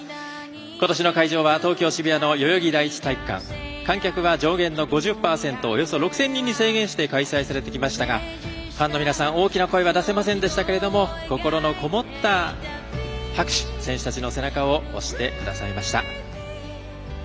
ことしの会場は東京・渋谷の代々木第一体育館観客は上限の５０％およそ６０００人に制限して開催されてきましたがファンの皆さん、大きな声は出せませんでしたけど心のこもった拍手選手たちの背中を押してくださいました。